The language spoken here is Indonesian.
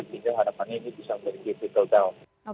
sehingga hadapannya ini bisa menjadi difficult time